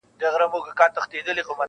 نن مي خیال خمار خمار لکه خیام دی,